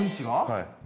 はい。